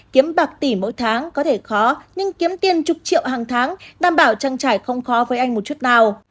kiếm bạc tỷ mỗi tháng có thể khó nhưng kiếm tiền chục triệu hàng tháng đảm bảo trang trải không khó với anh một chút nào